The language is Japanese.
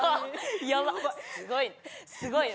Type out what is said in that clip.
すごいね。